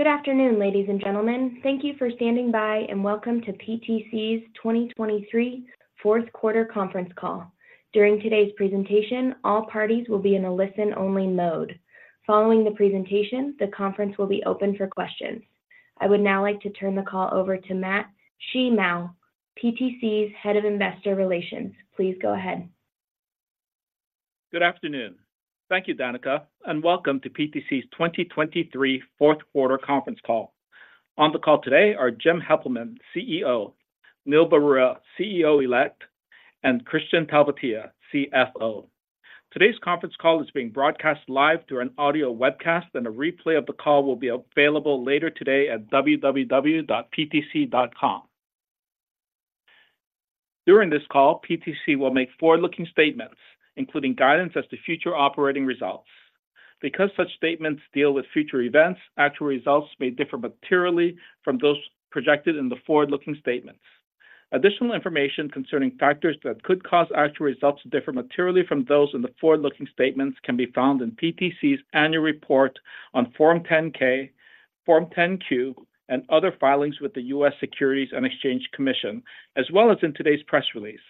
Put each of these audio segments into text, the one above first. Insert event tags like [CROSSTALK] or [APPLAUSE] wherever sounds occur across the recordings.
Good afternoon, ladies and gentlemen. Thank you for standing by, and welcome to PTC's 2023 Fourth Quarter Conference Call. During today's presentation, all parties will be in a listen-only mode. Following the presentation, the conference will be open for questions. I would now like to turn the call over to Matt Shimao, PTC's Head of Investor Relations. Please go ahead. Good afternoon. Thank you, Danica, and welcome to PTC's 2023 Fourth Quarter Conference call. On the call today are Jim Heppelmann; CEO, Neil Barua; CEO Elect, and Kristian Talvitie; CFO. Today's Conference Call is being broadcast live through an audio webcast, and a replay of the call will be available later today at www.ptc.com. During this call, PTC will make forward-looking statements, including guidance as to future operating results. Because such statements deal with future events, actual results may differ materially from those projected in the forward-looking statements. Additional information concerning factors that could cause actual results to differ materially from those in the forward-looking statements can be found in PTC's annual report on Form 10-K, Form 10-Q, and other filings with the U.S. Securities and Exchange Commission, as well as in today's press release.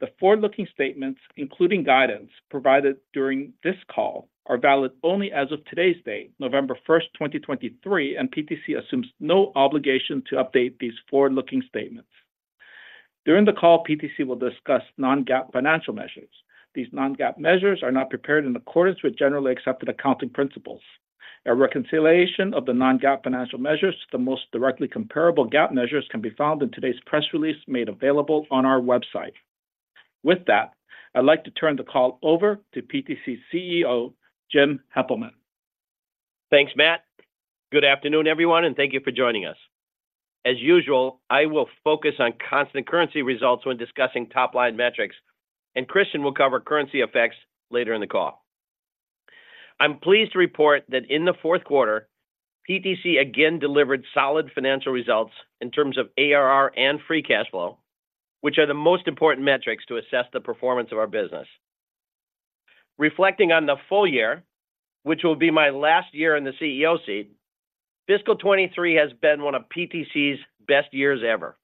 The forward-looking statements, including guidance provided during this call, are valid only as of today's date, November 1st, 2023, and PTC assumes no obligation to update these forward-looking statements. During the call, PTC will discuss non-GAAP financial measures. These non-GAAP measures are not prepared in accordance with generally accepted accounting principles. A reconciliation of the non-GAAP financial measures to the most directly comparable GAAP measures can be found in today's press release, made available on our website. With that, I'd like to turn the call over to PTC CEO, Jim Heppelmann. Thanks, Matt. Good afternoon, everyone, and thank you for joining us. As usual, I will focus on constant currency results when discussing top-line metrics, and Kristian will cover currency effects later in the call. I'm pleased to report that in the fourth quarter, PTC again delivered solid financial results in terms of ARR and free cash flow, which are the most important metrics to assess the performance of our business. Reflecting on the full year, which will be my last year in the CEO seat, fiscal 2023 has been one of PTC's best years ever.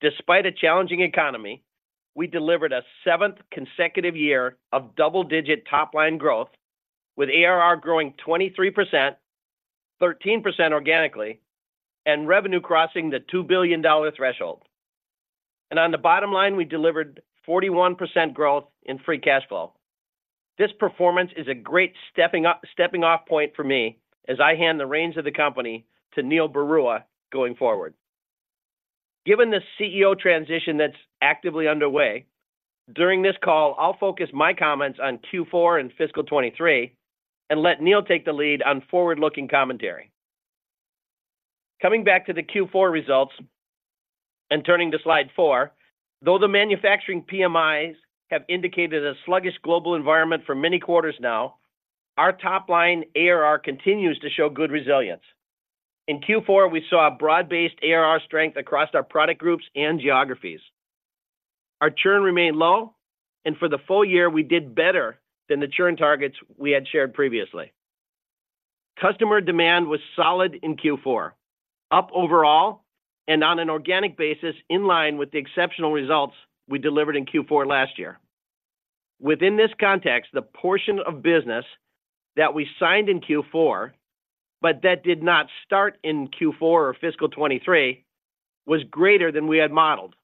Despite a challenging economy, we delivered a seventh consecutive year of double-digit top-line growth, with ARR growing 23%, 13% organically, and revenue crossing the $2 billion threshold. On the bottom line, we delivered 41% growth in free cash flow. This performance is a great stepping-off point for me as I hand the reins of the company to Neil Barua going forward. Given the CEO transition that's actively underway, during this call, I'll focus my comments on Q4 and fiscal 2023 and let Neil take the lead on forward-looking commentary. Coming back to the Q4 results and turning to slide 4, though the manufacturing PMIs have indicated a sluggish global environment for many quarters now, our top line, ARR, continues to show good resilience. In Q4, we saw a broad-based ARR strength across our product groups and geographies. Our churn remained low, and for the full year, we did better than the churn targets we had shared previously. Customer demand was solid in Q4, up overall, and on an organic basis, in line with the exceptional results we delivered in Q4 last year. Within this context, the portion of business that we signed in Q4, but that did not start in Q4 or fiscal 2023, was greater than we had modeled.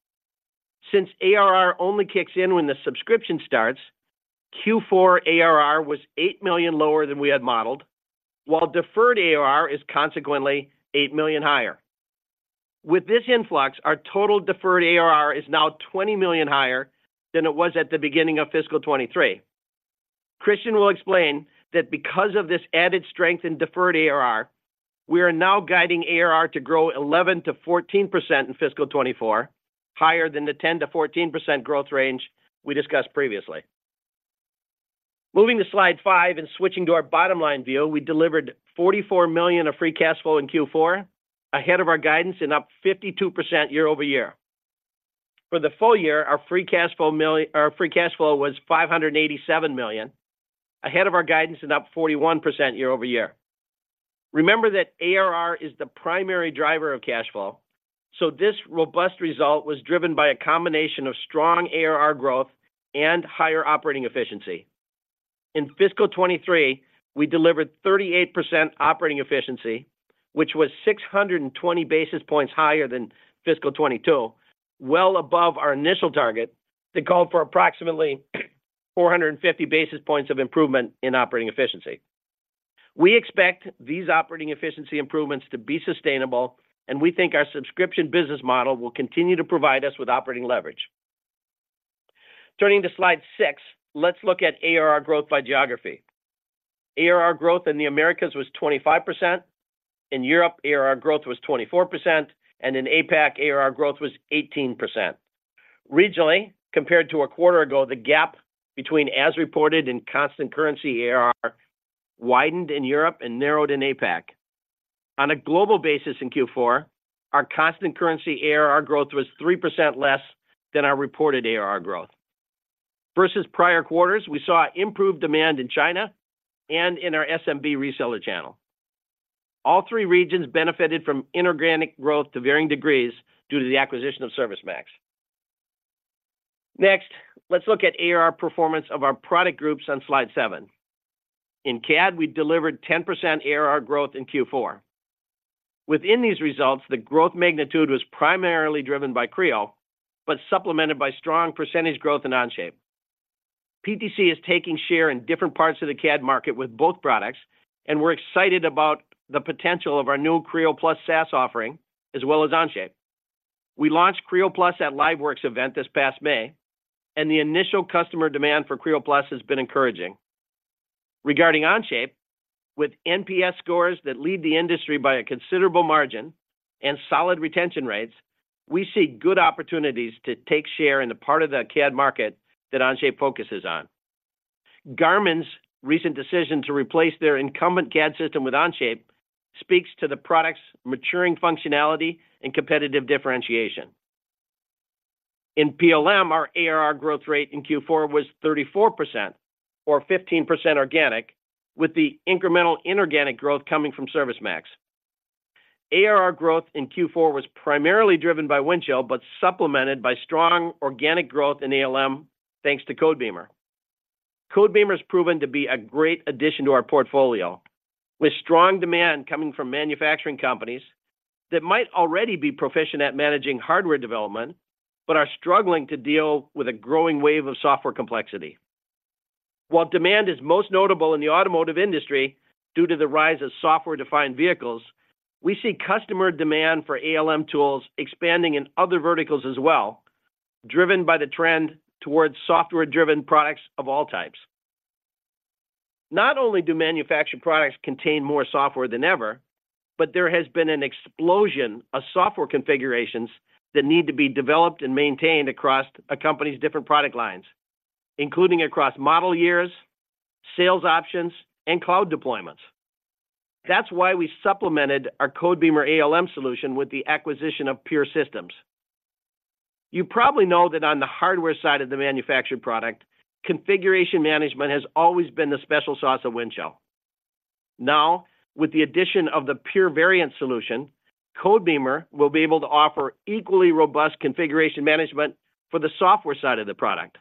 Since ARR only kicks in when the subscription starts, Q4 ARR was $8 million lower than we had modeled, while deferred ARR is consequently $8 million higher. With this influx, our total deferred ARR is now $20 million higher than it was at the beginning of fiscal 2023. Kristian will explain that because of this added strength in deferred ARR, we are now guiding ARR to grow 11%-14% in fiscal 2024, higher than the 10%-14% growth range we discussed previously. Moving to slide five and switching to our bottom line view, we delivered $44 million of free cash flow in Q4, ahead of our guidance and up 52% year-over-year. For the full year, our free cash flow was $587 million, ahead of our guidance and up 41% year over year. Remember that ARR is the primary driver of cash flow, so this robust result was driven by a combination of strong ARR growth and higher operating efficiency. In fiscal 2023, we delivered 38% operating efficiency, which was 620 basis points higher than fiscal 2022, well above our initial target, that called for approximately 450 basis points of improvement in operating efficiency. We expect these operating efficiency improvements to be sustainable, and we think our subscription business model will continue to provide us with operating leverage. Turning to slide six, let's look at ARR growth by geography. ARR growth in the Americas was 25%, in Europe, ARR growth was 24%, and in APAC, ARR growth was 18%. Regionally, compared to a quarter ago, the gap between as-reported and constant currency ARR widened in Europe and narrowed in APAC. On a global basis in Q4, our constant currency ARR growth was 3% less than our reported ARR growth. Versus prior quarters, we saw improved demand in China and in our SMB reseller channel. All three regions benefited from inorganic growth to varying degrees due to the acquisition of ServiceMax. Next, let's look at the ARR performance of our product groups on slide seven. In CAD, we delivered 10% ARR growth in Q4. Within these results, the growth magnitude was primarily driven by Creo, but supplemented by strong percentage growth in Onshape. PTC is taking share in different parts of the CAD market with both products, and we're excited about the potential of our new Creo+ SaaS offering, as well as Onshape. We launched Creo+ at LiveWorx event this past May, and the initial customer demand for Creo+ has been encouraging. Regarding Onshape, with NPS scores that lead the industry by a considerable margin and solid retention rates, we see good opportunities to take share in the part of the CAD market that Onshape focuses on. Garmin's recent decision to replace its incumbent CAD system with Onshape speaks to the product's maturing functionality and competitive differentiation. In PLM, our ARR growth rate in Q4 was 34% or 15% organic, with the incremental inorganic growth coming from ServiceMax. ARR growth in Q4 was primarily driven by Windchill, but supplemented by strong organic growth in ALM, thanks to Codebeamer. Codebeamer has proven to be a great addition to our portfolio, with strong demand coming from manufacturing companies that might already be proficient at managing hardware development, but are struggling to deal with a growing wave of software complexity. While demand is most notable in the automotive industry due to the rise of software-defined vehicles, we see customer demand for ALM tools expanding in other verticals as well, driven by the trend towards software-driven products of all types. Not only do manufactured products contain more software than ever, but there has been an explosion of software configurations that need to be developed and maintained across a company's different product lines, including across model years, sales options, and cloud deployments. That's why we supplemented our Codebeamer ALM solution with the acquisition of pure-systems. You probably know that on the hardware side of the manufactured product, configuration management has always been the special sauce of Windchill. Now, with the addition of the pure::variants solution, Codebeamer will be able to offer equally robust configuration management for the software side of the product.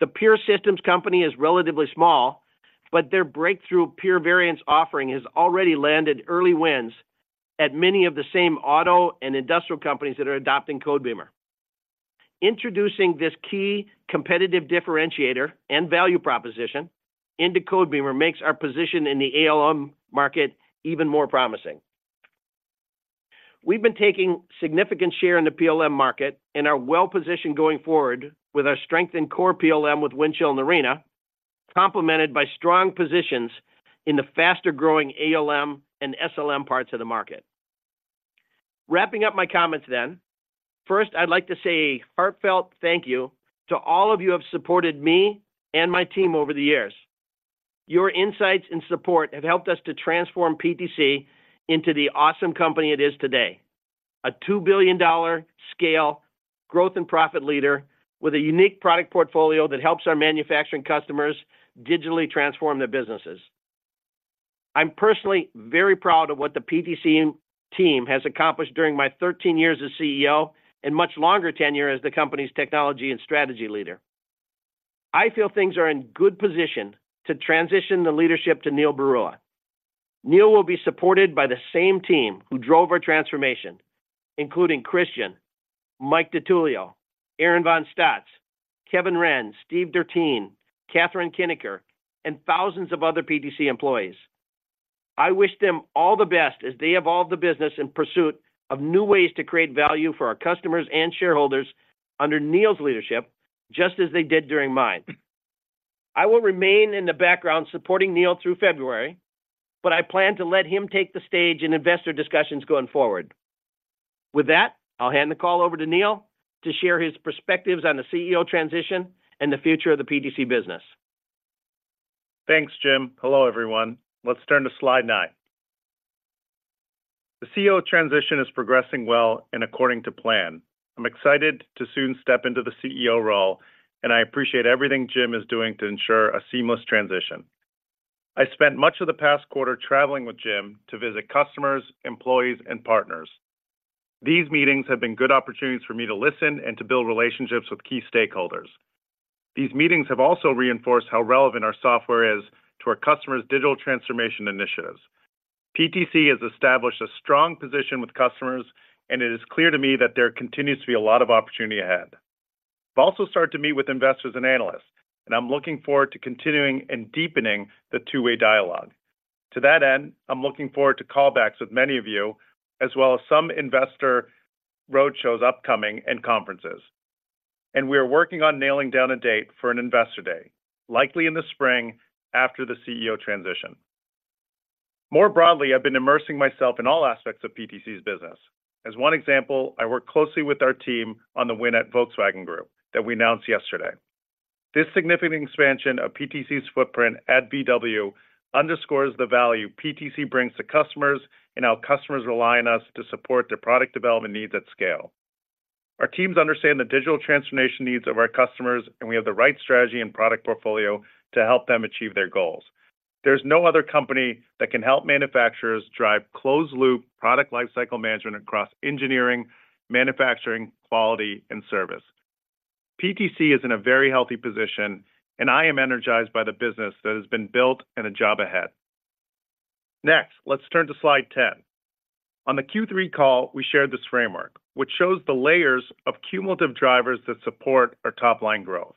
The pure-systems company is relatively small, but its breakthrough pure::variants offering has already landed early wins at many of the same auto and industrial companies that are adopting Codebeamer. Introducing this key competitive differentiator and value proposition into Codebeamer makes our position in the ALM market even more promising. We've been taking significant share in the PLM market and are well-positioned going forward with our strength in core PLM with Windchill and Arena, complemented by strong positions in the faster-growing ALM and SLM parts of the market. Wrapping up my comments then, first, I'd like to say a heartfelt thank you to all of you who have supported me and my team over the years. Your insights and support have helped us to transform PTC into the awesome company it is today: a $2 billion scale, growth and profit leader with a unique product portfolio that helps our manufacturing customers digitally transform their businesses. I'm personally very proud of what the PTC team has accomplished during my 13 years as CEO and much longer tenure as the company's technology and strategy leader. I feel things are in good position to transition the leadership to Neil Barua. Neil will be supported by the same team who drove our transformation, including Kristian, Mike DiTullio, Aaron von Staats, Kevin Wrenn, Steve Dertien, Catherine Kniker, and thousands of other PTC employees. I wish them all the best as they evolve the business in pursuit of new ways to create value for our customers and shareholders under Neil's leadership, just as they did during mine. I will remain in the background supporting Neil through February, but I plan to let him take the stage in investor discussions going forward. With that, I'll hand the call over to Neil to share his perspectives on the CEO transition and the future of the PTC business. Thanks, Jim. Hello, everyone. Let's turn to slide 9. The CEO transition is progressing well and according to plan. I'm excited to soon step into the CEO role, and I appreciate everything Jim is doing to ensure a seamless transition. I spent much of the past quarter traveling with Jim to visit customers, employees, and partners. These meetings have been good opportunities for me to listen and to build relationships with key stakeholders. These meetings have also reinforced how relevant our software is to our customers' digital transformation initiatives. PTC has established a strong position with customers, and it is clear to me that there continues to be a lot of opportunity ahead. I've also started to meet with investors and analysts, and I'm looking forward to continuing and deepening the two-way dialogue. To that end, I'm looking forward to callbacks with many of you, as well as some upcoming investor roadshows and conferences. We are working on nailing down a date for an Investor Day, likely in the spring after the CEO transition. More broadly, I've been immersing myself in all aspects of PTC's business. As one example, I worked closely with our team on the win at Volkswagen Group that we announced yesterday. This significant expansion of PTC's footprint at VW underscores the value PTC brings to customers and how customers rely on us to support their product development needs at scale. Our teams understand the digital transformation needs of our customers, and we have the right strategy and product portfolio to help them achieve their goals. There's no other company that can help manufacturers drive closed-loop product lifecycle management across engineering, manufacturing, quality, and service. PTC is in a very healthy position, and I am energized by the business that has been built and the job ahead. Next, let's turn to slide 10. On the Q3 call, we shared this framework, which shows the layers of cumulative drivers that support our top-line growth.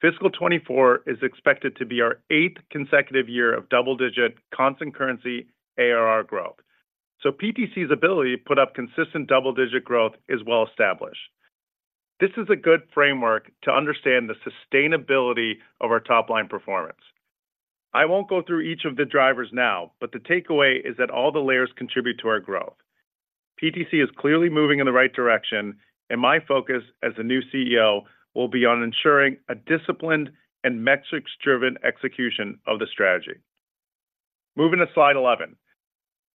Fiscal 2024 is expected to be our eighth consecutive year of double-digit constant currency ARR growth. So PTC's ability to put up consistent double-digit growth is well established. This is a good framework to understand the sustainability of our top-line performance. I won't go through each of the drivers now, but the takeaway is that all the layers contribute to our growth. PTC is clearly moving in the right direction, and my focus as the new CEO will be on ensuring a disciplined and metrics-driven execution of the strategy. Moving to slide 11.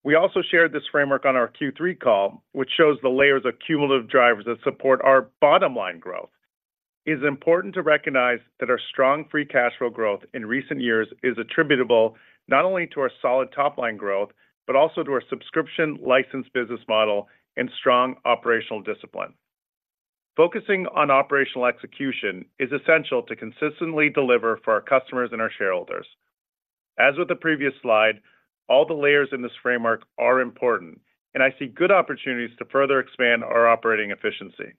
We also shared this framework on our Q3 call, which shows the layers of cumulative drivers that support our bottom-line growth. It is important to recognize that our strong free cash flow growth in recent years is attributable not only to our solid top-line growth, but also to our subscription license business model and strong operational discipline. Focusing on operational execution is essential to consistently deliver for our customers and our shareholders. As with the previous slide, all the layers in this framework are important, and I see good opportunities to further expand our operating efficiency.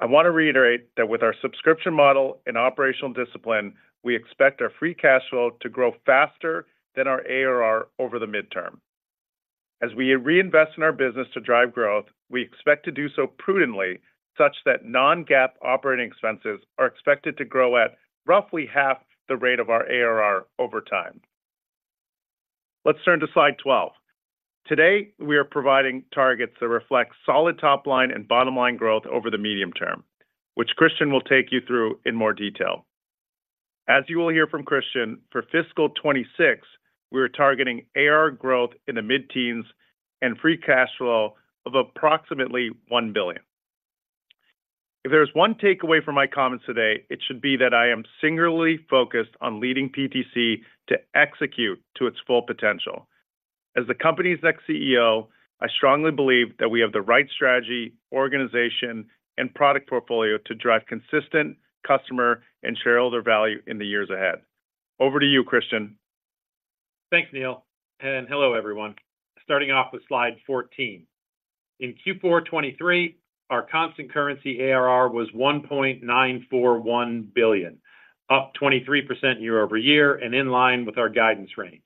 I want to reiterate that with our subscription model and operational discipline, we expect our free cash flow to grow faster than our ARR over the midterm. As we reinvest in our business to drive growth, we expect to do so prudently, such that non-GAAP operating expenses are expected to grow at roughly half the rate of our ARR over time. Let's turn to slide 12. Today, we are providing targets that reflect solid top line and bottom line growth over the medium term, which Kristian will take you through in more detail. As you will hear from Kristian, for fiscal 2026, we are targeting ARR growth in the mid-teens and free cash flow of approximately $1 billion. If there's one takeaway from my comments today, it should be that I am singularly focused on leading PTC to execute to its full potential. As the company's next CEO, I strongly believe that we have the right strategy, organization, and product portfolio to drive consistent customer and shareholder value in the years ahead. Over to you, Kristian. Thanks, Neil, and hello, everyone. Starting off with slide 14. In Q4 2023, our constant currency ARR was $1.941 billion, up 23% year-over-year and in line with our guidance range.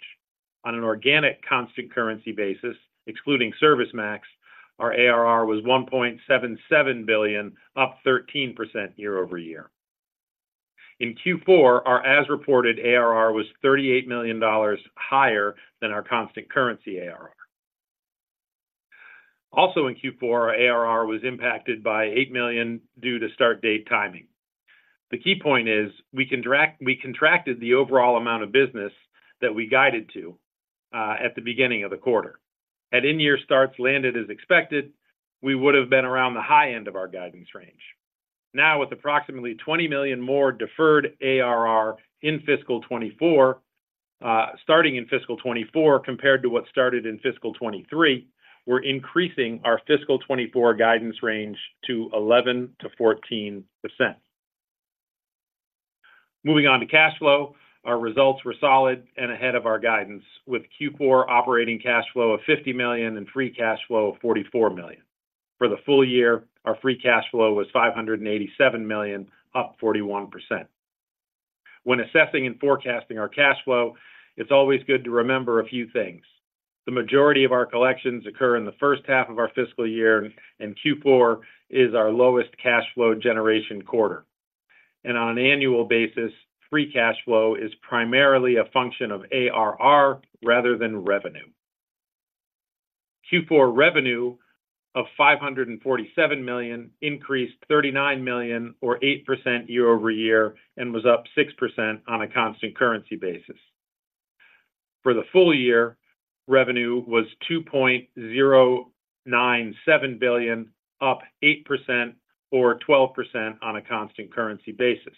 On an organic constant currency basis, excluding ServiceMax, our ARR was $1.77 billion, up 13% year-over-year. In Q4, our as-reported ARR was $38 million higher than our constant currency ARR. Also in Q4, our ARR was impacted by $8 million due to start date timing. The key point is we contract, we contracted the overall amount of business that we guided to, at the beginning of the quarter. Had in-year starts landed as expected, we would have been around the high end of our guidance range. Now, with approximately $20 million more deferred ARR in fiscal 2024, starting in fiscal 2024 compared to what started in fiscal 2023, we're increasing our fiscal 2024 guidance range to 11%-14%. Moving on to cash flow. Our results were solid and ahead of our guidance, with Q4 operating cash flow of $50 million and free cash flow of $44 million. For the full year, our free cash flow was $587 million, up 41%. When assessing and forecasting our cash flow, it's always good to remember a few things. The majority of our collections occur in the first half of our fiscal year, and Q4 is our lowest cash flow generation quarter. And on an annual basis, free cash flow is primarily a function of ARR rather than revenue. Q4 revenue of $547 million increased $39 million or 8% year-over-year and was up 6% on a constant currency basis. For the full year, revenue was $2.097 billion, up 8% or 12% on a constant currency basis.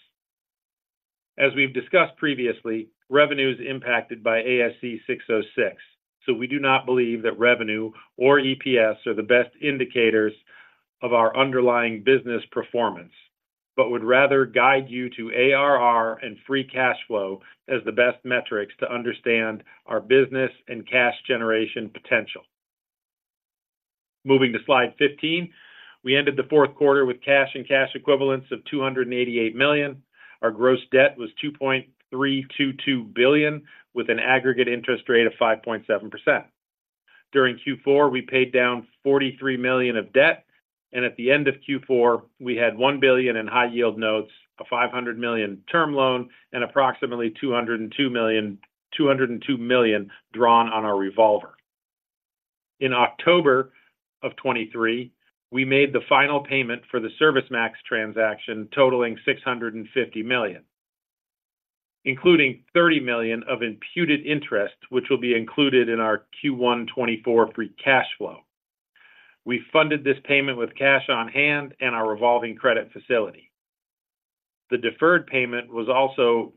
As we've discussed previously, revenue is impacted by ASC 606, so we do not believe that revenue or EPS are the best indicators of our underlying business performance, but would rather guide you to ARR and free cash flow as the best metrics to understand our business and cash generation potential. Moving to slide 15, we ended the fourth quarter with cash and cash equivalents of $288 million. Our gross debt was $2.322 billion, with an aggregate interest rate of 5.7%. During Q4, we paid down $43 million of debt, and at the end of Q4, we had $1 billion in high-yield notes, a $500 million term loan, and approximately $202 million-$202 million drawn on our revolver. In October 2023, we made the final payment for the ServiceMax transaction, totaling $650 million, including $30 million of imputed interest, which will be included in our Q1 2024 free cash flow. We funded this payment with cash on hand and our revolving credit facility. The deferred payment was also,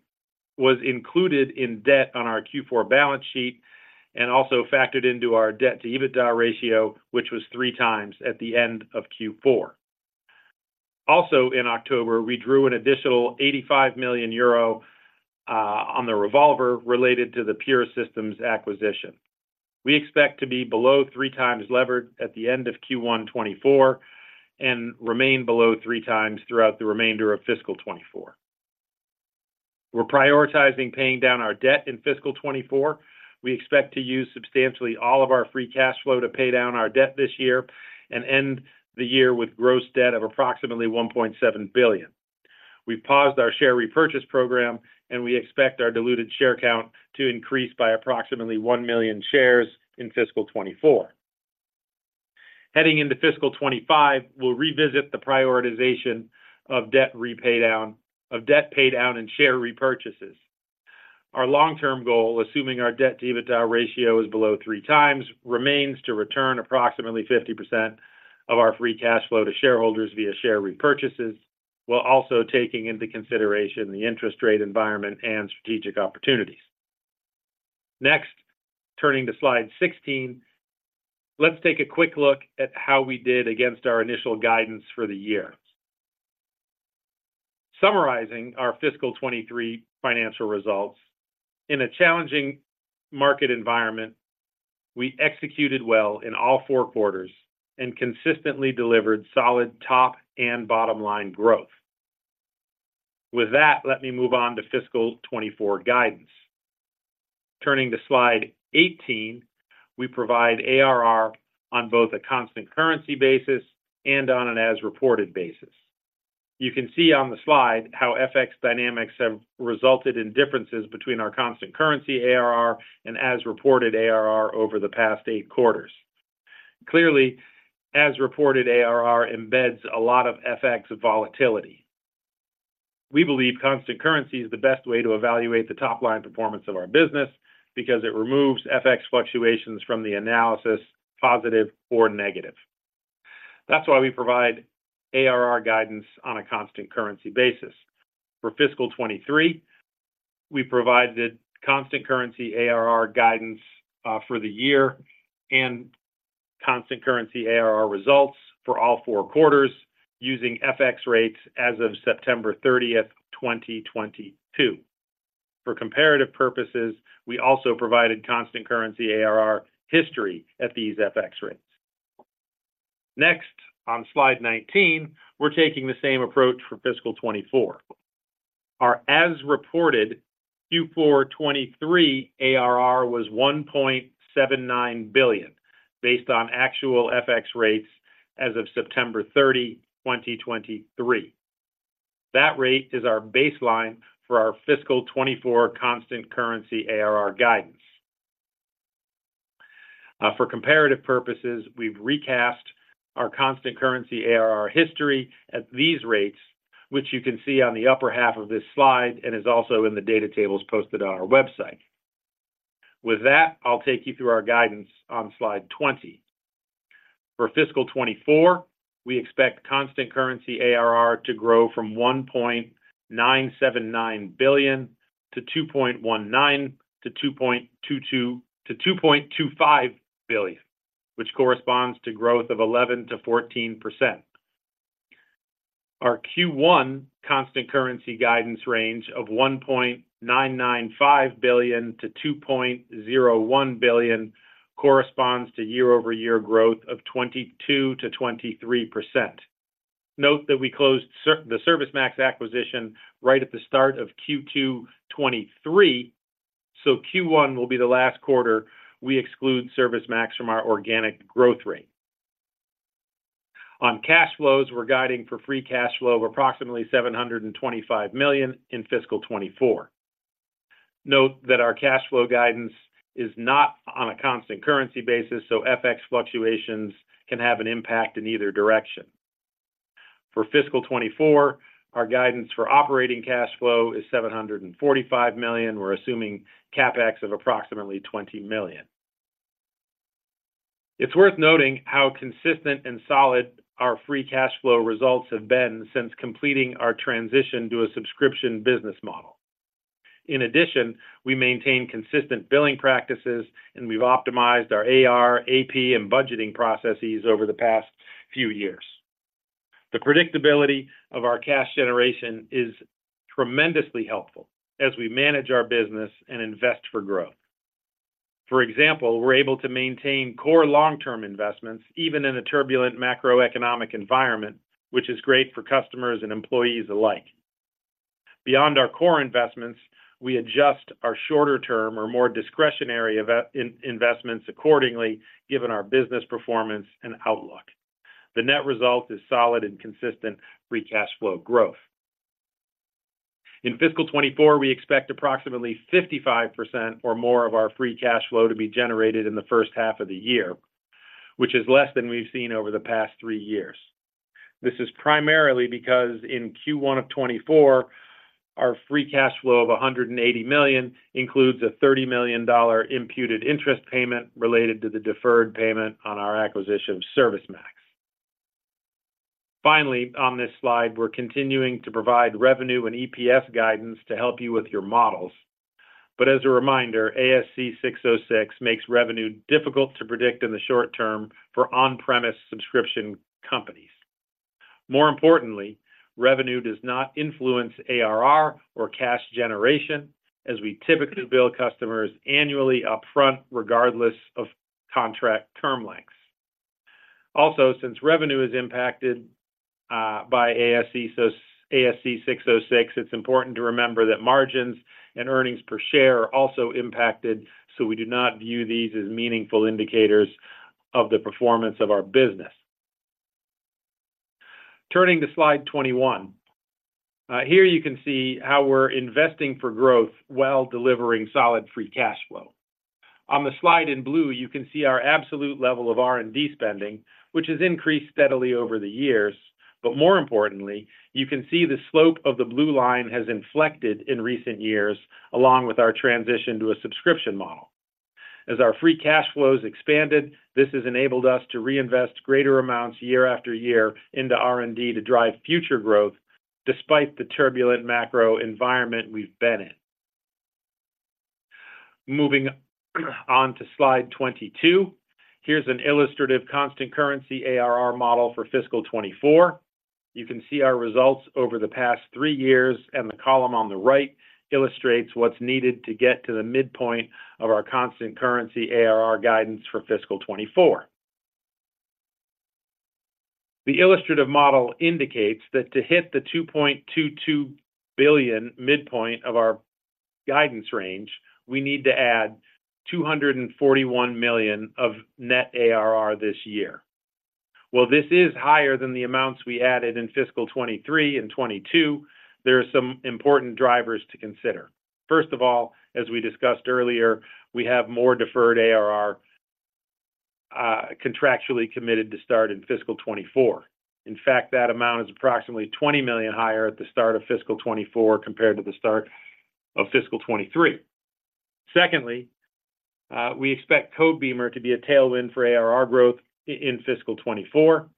was included in debt on our Q4 balance sheet and also factored into our debt to EBITDA ratio, which was three times at the end of Q4. Also, in October, we drew an additional 85 million euro on the revolver related to the pure-systems acquisition. We expect to be below 3x levered at the end of Q1 2024 and remain below 3x throughout the remainder of fiscal 2024. We're prioritizing paying down our debt in fiscal 2024. We expect to use all of our free cash flow to pay down our debt this year and end the year with gross debt of approximately $1.7 billion. We've paused our share repurchase program, and we expect our diluted share count to increase by approximately 1 million shares in fiscal 2024. Heading into fiscal 2025, we'll revisit the prioritization of debt repay down-- of debt pay down and share repurchases. Our long-term goal, assuming our debt-to-EBITDA ratio is below 3x, remains to return approximately 50% of our free cash flow to shareholders via share repurchases, while also taking into consideration the interest rate environment and strategic opportunities. Next, turning to slide 16, let's take a quick look at how we did against our initial guidance for the year. Summarizing our fiscal 2023 financial results, in a challenging market environment, we executed well in all four quarters and consistently delivered solid top and bottom line growth. With that, let me move on to fiscal 2024 guidance. Turning to slide 18, we provide ARR on both a constant currency basis and on an as reported basis. You can see on the slide how FX dynamics have resulted in differences between our constant currency ARR and as reported ARR over the past eight quarters. Clearly, as reported, ARR embeds a lot of FX volatility. We believe constant currency is the best way to evaluate the top line performance of our business because it removes FX fluctuations from the analysis, positive or negative. That's why we provide ARR guidance on a constant currency basis. For fiscal 2023, we provided constant currency ARR guidance for the year and constant currency ARR results for all four quarters, using FX rates as of September 30, 2022. For comparative purposes, we also provided constant currency ARR history at these FX rates. Next, on slide 19, we're taking the same approach for fiscal 2024. Our as reported Q4 2023 ARR was $1.79 billion, based on actual FX rates as of September 30, 2023. That rate is our baseline for our fiscal 2024 constant currency ARR guidance. For comparative purposes, we've recast our constant currency ARR history at these rates, which you can see on the upper half of this slide and is also in the data tables posted on our website. With that, I'll take you through our guidance on slide 20. For fiscal 2024, we expect constant currency ARR to grow from $1.979 billion to $2.19 to $2.22 to $2.25 billion, which corresponds to growth of 11%-14%. Our Q1 constant currency guidance range of $1.995 -2.01 billion corresponds to year-over-year growth of 22%-23%. Note that we closed the ServiceMax acquisition right at the start of Q2 2023, so Q1 will be the last quarter we exclude ServiceMax from our organic growth rate. On cash flows, we're guiding for free cash flow of approximately $725 million in fiscal 2024. Note that our cash flow guidance is not on a constant currency basis, so FX fluctuations can have an impact in either direction. For fiscal 2024, our guidance for operating cash flow is $745 million. We're assuming CapEx of approximately $20 million. It's worth noting how consistent and solid our free cash flow results have been since completing our transition to a subscription business model. In addition, we maintain consistent billing practices, and we've optimized our AR, AP, and budgeting processes over the past few years. The predictability of our cash generation is tremendously helpful as we manage our business and invest for growth. For example, we're able to maintain core long-term investments even in a turbulent macroeconomic environment, which is great for customers and employees alike. Beyond our core investments, we adjust our shorter term or more discretionary investments accordingly, given our business performance and outlook. The net result is solid and consistent free cash flow growth. In fiscal 2024, we expect approximately 55% or more of our free cash flow to be generated in the first half of the year, which is less than we've seen over the past three years.... This is primarily because in Q1 of 2024, our free cash flow of $180 million includes a $30 million imputed interest payment related to the deferred payment on our acquisition of ServiceMax. Finally, on this slide, we're continuing to provide revenue and EPS guidance to help you with your models. But as a reminder, ASC 606 makes revenue difficult to predict in the short term for on-premise subscription companies. More importantly, revenue does not influence ARR or cash generation, as we typically bill customers annually upfront, regardless of contract term lengths. Also, since revenue is impacted by ASC, so ASC 606, it's important to remember that margins and earnings per share are also impacted, so we do not view these as meaningful indicators of the performance of our business. Turning to slide 21. Here you can see how we're investing for growth while delivering solid free cash flow. On the slide in blue, you can see our absolute level of R&D spending, which has increased steadily over the years. But more importantly, you can see the slope of the blue line has inflected in recent years, along with our transition to a subscription model. As our free cash flows expanded, this has enabled us to reinvest greater amounts year after year into R&D to drive future growth, despite the turbulent macro environment we've been in. Moving on to slide 22. Here's an illustrative constant currency ARR model for fiscal 2024. You can see our results over the past three years, and the column on the right illustrates what's needed to get to the midpoint of our constant currency ARR guidance for fiscal 2024. The illustrative model indicates that to hit the $2.22 billion midpoint of our guidance range, we need to add $241 million of net ARR this year. While this is higher than the amounts we added in fiscal 2023 and 2022, there are some important drivers to consider. First of all, as we discussed earlier, we have more deferred ARR contractually committed to start in fiscal 2024. In fact, that amount is approximately $20 million higher at the start of fiscal 2024 compared to the start of fiscal 2023. Secondly, we expect Codebeamer to be a tailwind for ARR growth in fiscal 2024.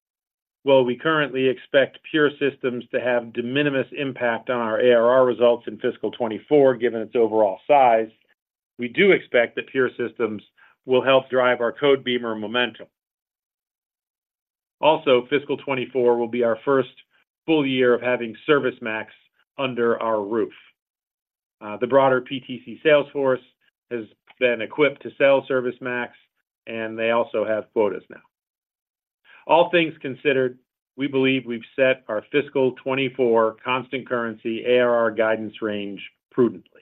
While we currently expect pure-systems to have de minimis impact on our ARR results in fiscal 2024, given its overall size, we do expect that pure-systems will help drive our Codebeamer momentum. Also, fiscal 2024 will be our first full year of having ServiceMax under our roof. The broader PTC sales force has been equipped to sell ServiceMax, and they also have quotas now. All things considered, we believe we've set our fiscal 2024 constant currency ARR guidance range prudently.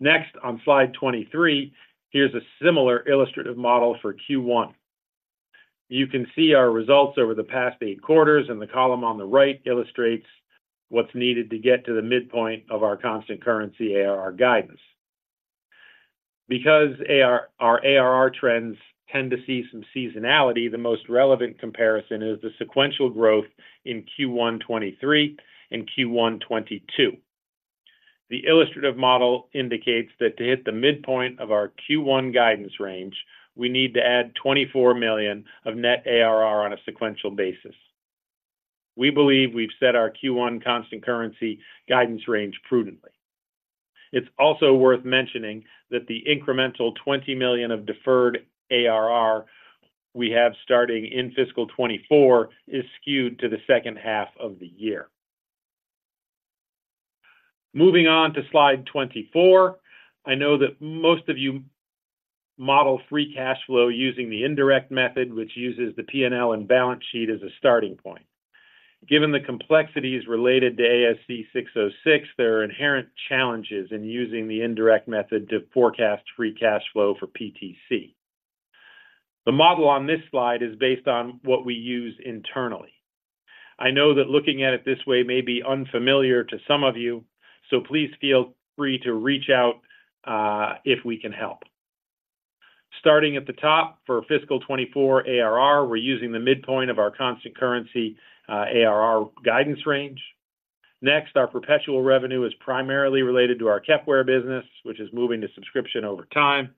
Next, on slide 23, here's a similar illustrative model for Q1. You can see our results over the past eight quarters, and the column on the right illustrates what's needed to get to the midpoint of our constant currency ARR guidance. Because AR, our ARR trends tend to see some seasonality, the most relevant comparison is the sequential growth in Q1 2023 and Q1 2022. The illustrative model indicates that to hit the midpoint of our Q1 guidance range, we need to add 24 million of net ARR on a sequential basis. We believe we've set our Q1 constant currency guidance range prudently. It's also worth mentioning that the incremental 20 million of deferred ARR we have starting in fiscal 2024 is skewed to the second half of the year. Moving on to slide 24. I know that most of you model free cash flow using the indirect method, which uses the P&L and balance sheet as a starting point. Given the complexities related to ASC 606, there are inherent challenges in using the indirect method to forecast free cash flow for PTC. The model on this slide is based on what we use internally. I know that looking at it this way may be unfamiliar to some of you, so please feel free to reach out, if we can help. Starting at the top for fiscal 2024 ARR, we're using the midpoint of our constant currency, ARR guidance range. Next, our perpetual revenue is primarily related to our Kepware business, which is moving to subscription over time.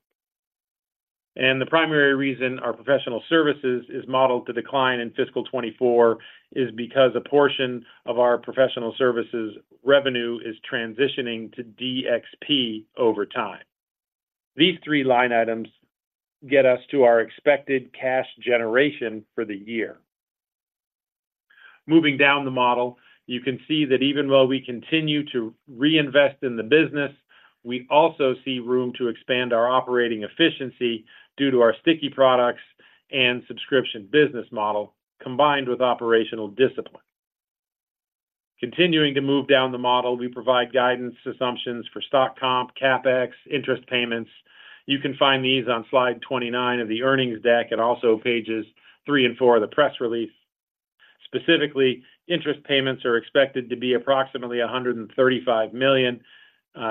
The primary reason our professional services is modeled to decline in fiscal 2024 is because a portion of our professional services revenue is transitioning to DX over time. These three line items get us to our expected cash generation for the year. Moving down the model, you can see that even while we continue to reinvest in the business, we also see room to expand our operating efficiency due to our sticky products and subscription business model, combined with operational discipline. Continuing to move down the model, we provide guidance assumptions for stock comp, CapEx, interest payments. You can find these on slide 29 of the earnings deck and also pages three and four of the press release. Specifically, interest payments are expected to be approximately $135 million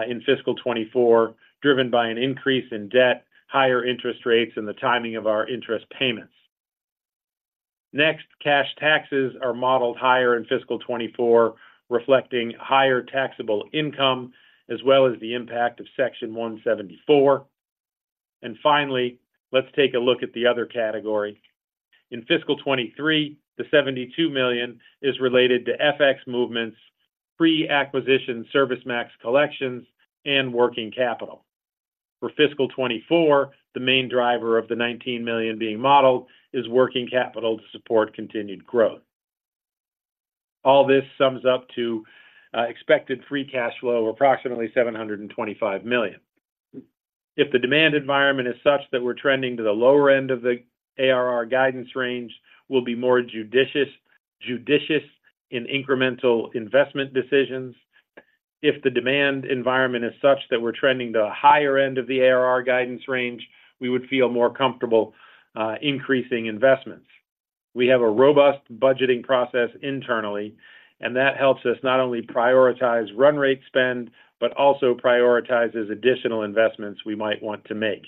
in fiscal 2024, driven by an increase in debt, higher interest rates, and the timing of our interest payments. Next, cash taxes are modeled higher in fiscal 2024, reflecting higher taxable income, as well as the impact of Section 174. Finally, let's take a look at the other category. In fiscal 2023, the $72 million is related to FX movements, pre-acquisition ServiceMax collections, and working capital. For fiscal 2024, the main driver of the $19 million being modeled is working capital to support continued growth. All this sums up to expected free cash flow of approximately $725 million. If the demand environment is such that we're trending to the lower end of the ARR guidance range, we'll be more judicious, judicious in incremental investment decisions. If the demand environment is such that we're trending to a higher end of the ARR guidance range, we would feel more comfortable increasing investments. We have a robust budgeting process internally, and that helps us not only prioritize run-rate spend but also prioritize additional investments we might want to make.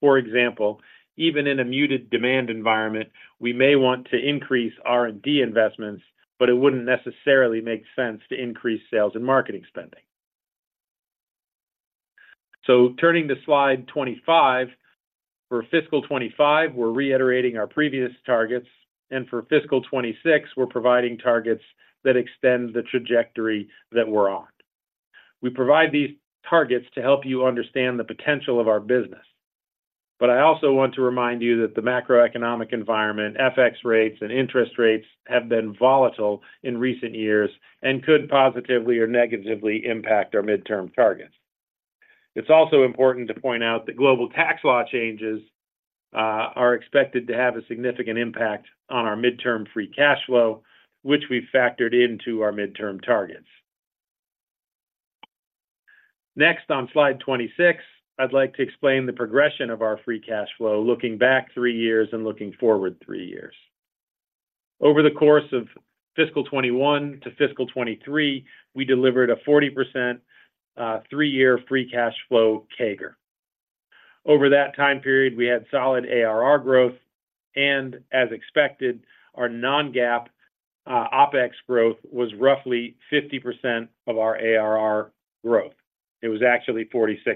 For example, even in a muted demand environment, we may want to increase R&D investments, but it wouldn't necessarily make sense to increase sales and marketing spending. So turning to slide 25, for fiscal 2025, we're reiterating our previous targets, and for fiscal 2026, we're providing targets that extend the trajectory that we're on. We provide these targets to help you understand the potential of our business. But I also want to remind you that the macroeconomic environment, FX rates, and interest rates have been volatile in recent years and could positively or negatively impact our midterm targets. It's also important to point out that global tax law changes are expected to have a significant impact on our midterm free cash flow, which we've factored into our midterm targets. Next, on slide 26, I'd like to explain the progression of our free cash flow, looking back three years and looking forward three years. Over the course of fiscal 2021 to fiscal 2023, we delivered a 40% three-year free cash flow CAGR. Over that time period, we had solid ARR growth, and as expected, our non-GAAP OpEx growth was roughly 50% of our ARR growth. It was actually 46%.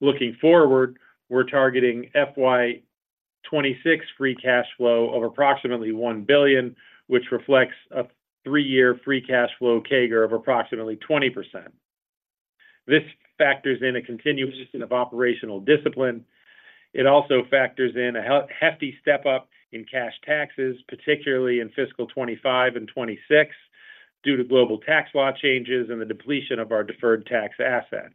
Looking forward, we're targeting FY 2026 free cash flow of approximately $1 billion, which reflects a three-year free cash flow CAGR of approximately 20%. This factors in a continuation of operational discipline. It also factors in a hefty step up in cash taxes, particularly in fiscal 2025 and 2026, due to global tax law changes and the depletion of our deferred tax assets.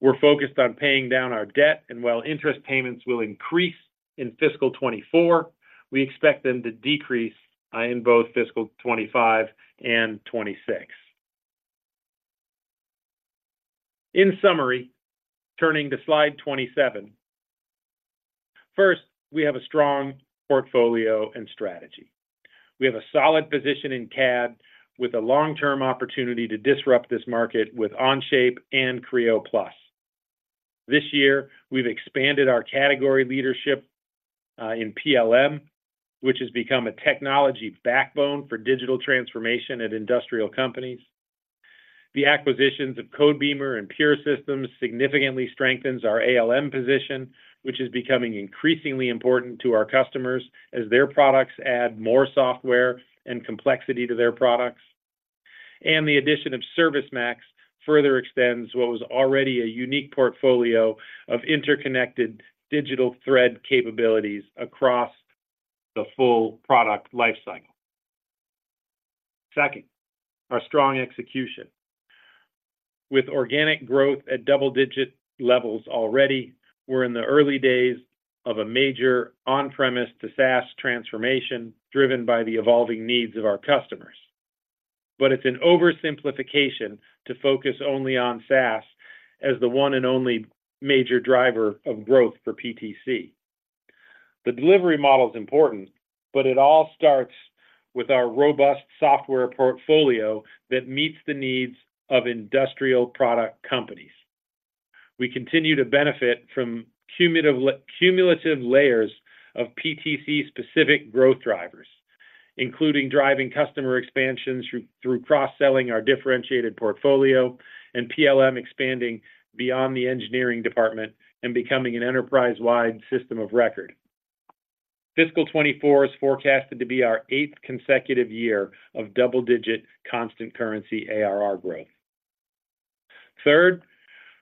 We're focused on paying down our debt, and while interest payments will increase in fiscal 2024, we expect them to decrease in both fiscal 2025 and 2026. In summary, turning to slide 27. First, we have a strong portfolio and strategy. We have a solid position in CAD, with a long-term opportunity to disrupt this market with Onshape and Creo+. This year, we've expanded our category leadership in PLM, which has become a technology backbone for digital transformation at industrial companies. The acquisitions of Codebeamer and pure-systems significantly strengthen our ALM position, which is becoming increasingly important to our customers as their products add more software and complexity to their products. The addition of ServiceMax further extends what was already a unique portfolio of interconnected digital thread capabilities across the full product lifecycle. Second, our strong execution. With organic growth at double-digit levels already, we're in the early days of a major on-premise to SaaS transformation, driven by the evolving needs of our customers. But it's an oversimplification to focus only on SaaS as the one and only major driver of growth for PTC. The delivery model is important, but it all starts with our robust software portfolio that meets the needs of industrial product companies. We continue to benefit from cumulative layers of PTC-specific growth drivers, including driving customer expansions through cross-selling our differentiated portfolio and PLM expanding beyond the engineering department and becoming an enterprise-wide system of record. Fiscal 2024 is forecasted to be our eighth consecutive year of double-digit constant currency ARR growth. Third,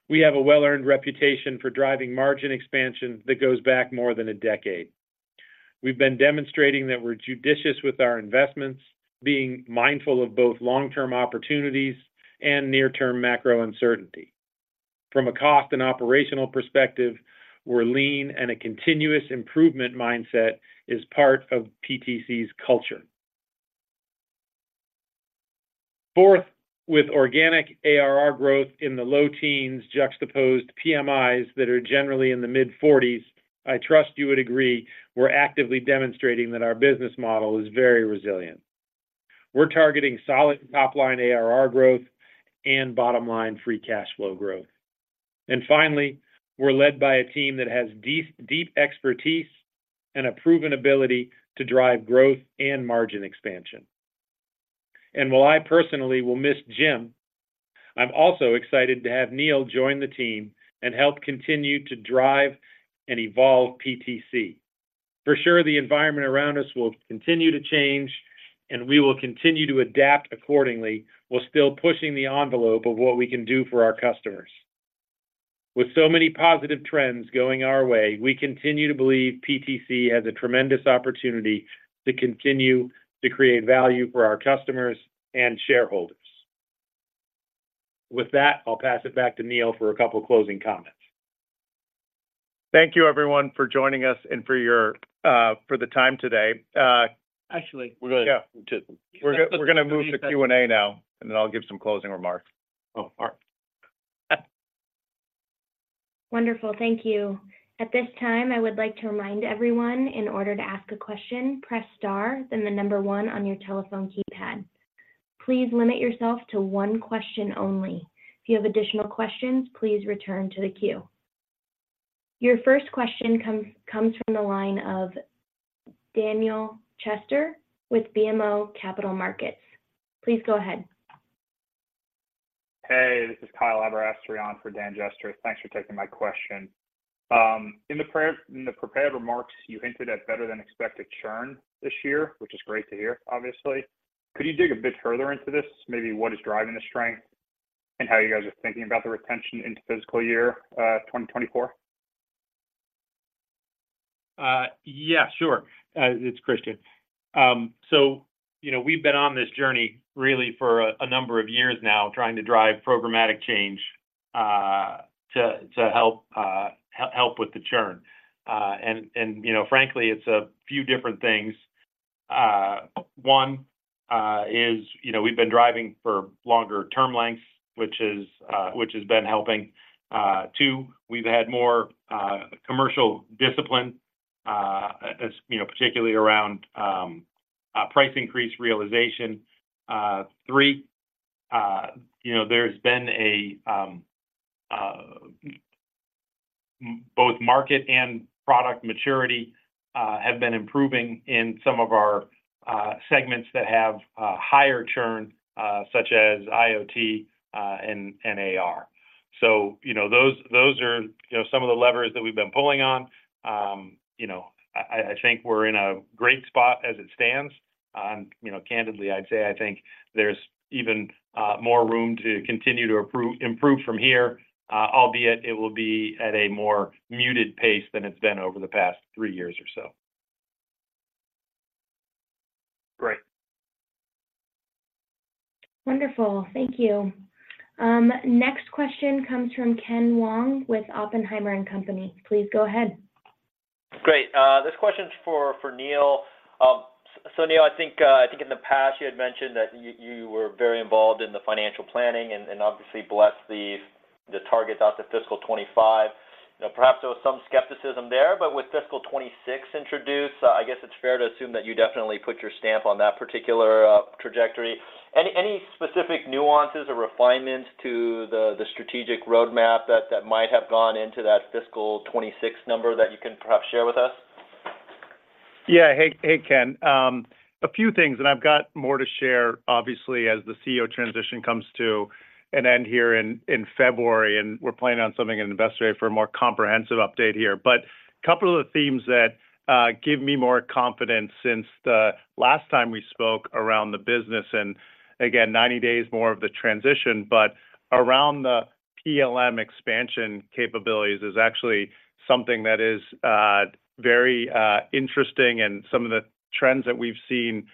we have a well-earned reputation for driving margin expansion that goes back more than a decade. We've been demonstrating that we're judicious with our investments, being mindful of both long-term opportunities and near-term macro uncertainty. From a cost and operational perspective, we're lean, and a continuous improvement mindset is part of PTC's culture.... Fourth, with organic ARR growth in the low teens, juxtaposed PMIs that are generally in the mid-forties, I trust you would agree we're actively demonstrating that our business model is very resilient. We're targeting solid top-line ARR growth and bottom-line free cash flow growth. And finally, we're led by a team that has deep, deep expertise and a proven ability to drive growth and margin expansion. And while I personally will miss Jim, I'm also excited to have Neil join the team and help continue to drive and evolve PTC. For sure, the environment around us will continue to change, and we will continue to adapt accordingly, while still pushing the envelope of what we can do for our customers. With so many positive trends going our way, we continue to believe PTC has a tremendous opportunity to continue to create value for our customers and shareholders. With that, I'll pass it back to Neil for a couple closing comments. Thank you, everyone, for joining us and for your time today. Actually, we're gonna [CROSSTALK] Yeah. To- We're gonna move the Q&A now, and then I'll give some closing remarks. Oh, all right. Wonderful. Thank you. At this time, I would like to remind everyone, in order to ask a question, press star, then the number one on your telephone keypad. Please limit yourself to one question only. If you have additional questions, please return to the queue. Your first question comes from the line of Dan Jester with BMO Capital Markets. Please go ahead. Hey, this is Kyle Aberasturi in for Dan Jester. Thanks for taking my question. In the prepared remarks, you hinted at better-than-expected churn this year, which is great to hear, obviously. Could you dig a bit further into this? Maybe what is driving the strength and how you guys are thinking about the retention into fiscal year 2024? Yeah, sure. It's Kristian. So, you know, we've been on this journey really for a number of years now, trying to drive programmatic change to help with the churn. And you know, frankly, it's a few different things. One is, you know, we've been driving for longer term lengths, which has been helping. Two, we've had more commercial discipline, as you know, particularly around price increase realization. Three, you know, there's been both market and product maturity have been improving in some of our segments that have higher churn, such as IoT and AR. So, you know, those are, you know, some of the levers that we've been pulling on. You know, I think we're in a great spot as it stands. And, you know, candidly, I'd say I think there's even more room to continue to improve from here, albeit it will be at a more muted pace than it's been over the past three years or so. Great. Wonderful. Thank you. Next question comes from Ken Wong with Oppenheimer and Company. Please go ahead. Great. This question is for Neil. So Neil, I think, I think in the past you had mentioned that you, you were very involved in the financial planning and, and obviously blessed the, the targets out to fiscal 25. You know, perhaps there was some skepticism there, but with fiscal 26 introduced, I guess it's fair to assume that you definitely put your stamp on that particular, trajectory. Any, any specific nuances or refinements to the, the strategic roadmap that, that might have gone into that fiscal 26 number that you can perhaps share with us? Yeah. Hey, hey, Ken. A few things, and I've got more to share, obviously, as the CEO transition comes to an end here in February, and we're planning on something in Investor Day for a more comprehensive update here. But a couple of the themes that give me more confidence since the last time we spoke around the business, and again, 90 days more of the transition, but around the PLM expansion capabilities is actually something that is very interesting. And some of the trends that we've seen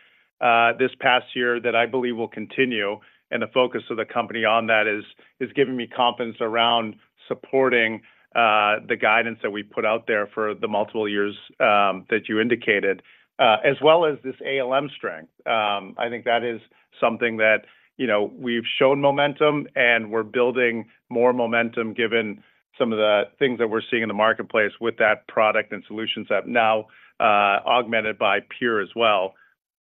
this past year that I believe will continue, and the focus of the company on that is giving me confidence around supporting the guidance that we put out there for the multiple years that you indicated, as well as this ALM strength. I think that is something that, you know, we've shown momentum, and we're building more momentum, given some of the things that we're seeing in the marketplace with that product and solutions app now, augmented by Pure as well.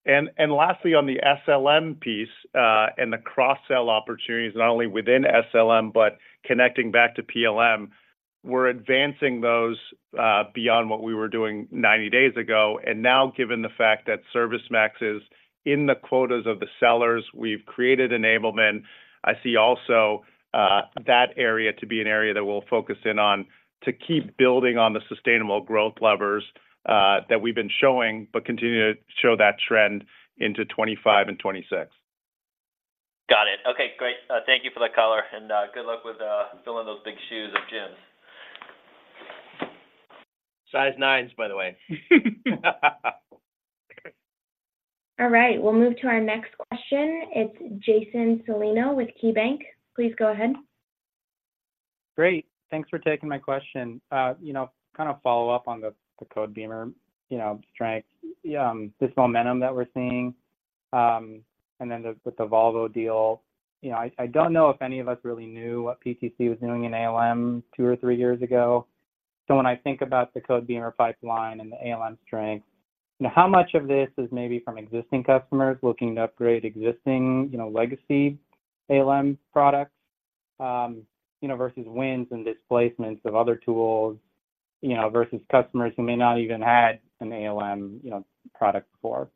And lastly, on the SLM piece, and the cross-sell opportunities, not only within SLM, but connecting back to PLM, we're advancing those, beyond what we were doing 90 days ago. And now, given the fact that ServiceMax is in the quotas of the sellers, we've created enablement. I see also, that area to be an area that we'll focus in on, to keep building on the sustainable growth levers, that we've been showing, but continue to show that trend into 2025 and 2026. Got it. Okay, great. Thank you for the color, and good luck with filling those big shoes of Jim's. Size nines, by the way. All right, we'll move to our next question. It's Jason Celino with KeyBanc. Please go ahead. Great! Thanks for taking my question. You know, kind of follow up on the, the Codebeamer, you know, strength, this momentum that we're seeing, and then the, with the Volvo deal. You know, I, I don't know if any of us really knew what PTC was doing in ALM two or three years ago. So when I think about the Codebeamer pipeline and the ALM strength, you know, how much of this is maybe from existing customers looking to upgrade existing, you know, legacy ALM products, you know, versus wins and displacements of other tools, you know, versus customers who may not even had an ALM, you know, product before?